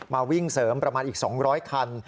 มาวิ่งเสริมประมาณอีก๒๐๐คัน